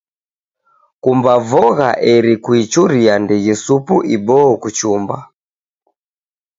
Kumba vogha eri kuichuria ndighi supu iboo kuchumba.